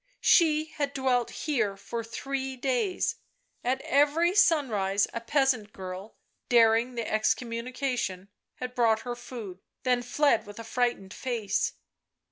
She had dwelt here for three days; at every sunrise a peasant girl, daring the excommunication, had brought her food, then fled with a frightened face.